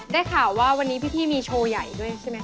ได้ข่าวว่าวันนี้พี่มีโชว์ใหญ่ด้วยใช่ไหมค